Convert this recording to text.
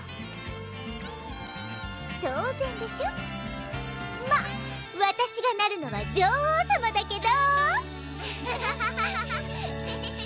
当然でしょまぁわたしがなるのは女王さまだけど！